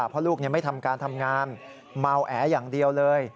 เพราะลูกไม่ทำการทำงานเมาแออย่างเดียวเลย